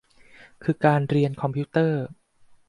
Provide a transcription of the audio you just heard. คือการเรียนคอมพิวเตอร์